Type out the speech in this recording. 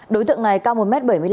đối tượng này cao một m bảy mươi năm